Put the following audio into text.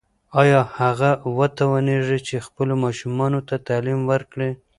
ایا هغه به وتوانیږي چې خپلو ماشومانو ته تعلیم ورکړي؟